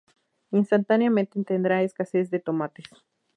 Instantáneamente tendrá escasez de tomates.